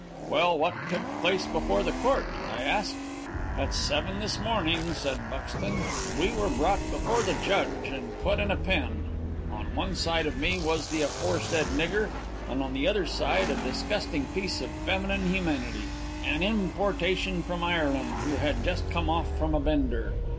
"'Well, what took place before the court?' I asked. "'At seven this morning,' said Buxton, 'we were brought before the judge, and put in a pen; on one side of me was the aforesaid nigger, and on the other side a disgusting piece of feminine humanity; an importation from Ireland, who had just come off from a bender.